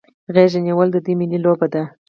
غیږ نیول د دوی ملي لوبه ده.